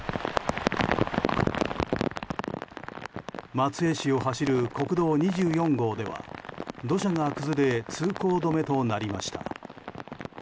松江市を走る国道２４号では土砂が崩れ通行止めとなりました。